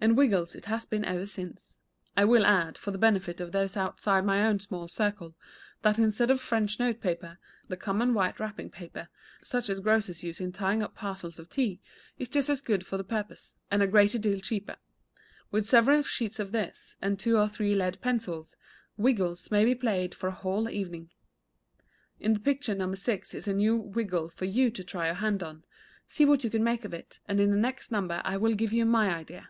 And "wiggles" it has been ever since. I will add, for the benefit of those outside my own small circle, that instead of French note paper, the common white wrapping paper, such as grocers use in tying up parcels of tea, is just as good for the purpose, and a great deal cheaper. With several sheets of this, and two or three lead pencils, "wiggles" may be played for a whole evening. In the picture No. 6 is a new "wiggle" for you to try your hand upon. See what you can make of it, and in the next number I will give you my idea.